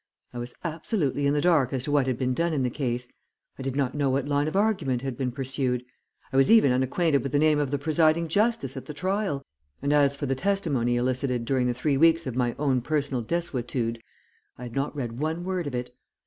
I was absolutely in the dark as to what had been done in the case. I did not know what line of argument had been pursued I was even unacquainted with the name of the presiding justice at the trial, and as for the testimony elicited during the three weeks of my own personal desuetude, I had not read one word of it.